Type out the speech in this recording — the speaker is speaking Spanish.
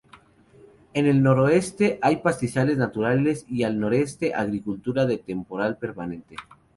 En el noroeste hay pastizales naturales, y al noreste agricultura de temporal permanente.